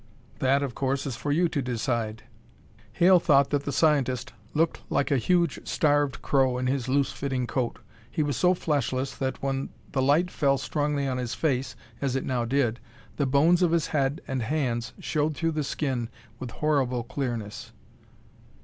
"That, of course, is for you to decide." Hale thought that the scientist looked like a huge, starved crow in his loose fitting coat. He was so fleshless that, when the light fell strongly on his face as it now did, the bones of his head and hands showed through the skin with horrible clearness.